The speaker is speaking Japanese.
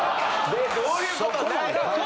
どういうこと？